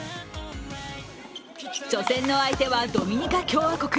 初戦の相手はドミニカ共和国。